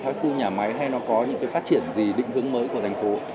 các khu nhà máy hay nó có những cái phát triển gì định hướng mới của thành phố